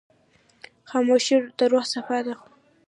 خاموشي، د روح صفا ده.